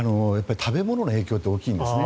食べ物の影響って大きいんですよね。